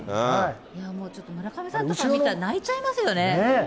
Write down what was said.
もうちょっと、村上さんとか見たら泣いちゃいますよね。